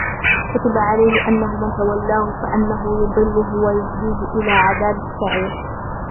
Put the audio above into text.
كُتِبَ عَلَيْهِ أَنَّهُ مَنْ تَوَلَّاهُ فَأَنَّهُ يُضِلُّهُ وَيَهْدِيهِ إِلَى عَذَابِ السَّعِيرِ